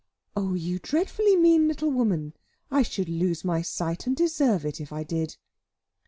"Oh you dreadfully mean little woman! I should lose my sight, and deserve it, if I did."